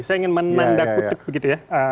saya ingin menandakutik begitu ya